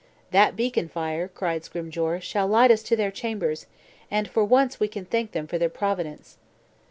"That beacon fire," cried Scrymgeour, "shall light us to their chambers; and for once we thank them for their providence."